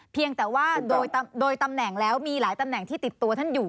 เพียงแต่ว่าโดยตำแหน่งแล้วมีหลายตำแหน่งที่ติดตัวท่านอยู่